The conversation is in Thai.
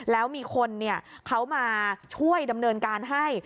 แล้วมีคนเขามาช่วยดำเนินการให้